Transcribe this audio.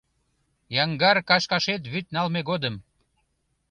Яҥгар кашкашет вӱд налме годым